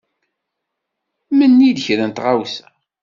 Menni-d kra n tɣawsa.